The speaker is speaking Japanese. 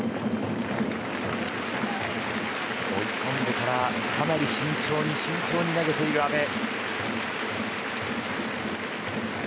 追い込んでからかなり慎重に慎重に投げている阿部。